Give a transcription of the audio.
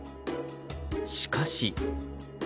しかし。